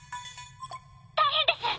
大変です！